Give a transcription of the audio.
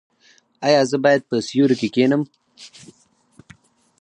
ایا زه باید په سیوري کې کینم؟